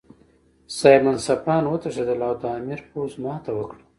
صاحب منصبان وتښتېدل او د امیر پوځ ماته وکړه.